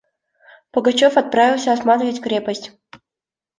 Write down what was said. Пугачев отправился осматривать крепость.